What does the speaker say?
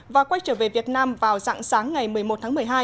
và quay trở về việt nam vào dạng sáng ngày một mươi một tháng một mươi hai